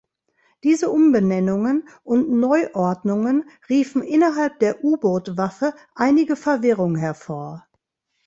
Diese Umbenennungen und Neuordnungen riefen innerhalb der U-Bootwaffe einige Verwirrung hervor.